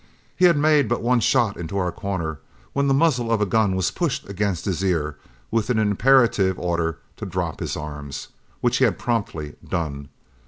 He had made but one shot into our corner, when the muzzle of a gun was pushed against his ear with an imperative order to drop his arms, which he had promptly done.